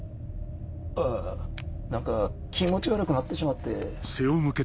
あぁ何か気持ち悪くなってしまって。